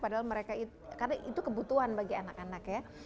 padahal mereka itu kebutuhan bagi anak anak ya